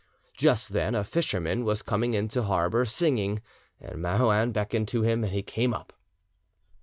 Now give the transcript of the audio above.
Just then a fisherman was coming into harbour singing. Marouin beckoned to him, and he came up.